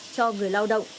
cho người lao động